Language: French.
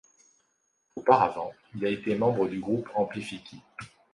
Auparavant, il a été membre du groupe Amplifiki.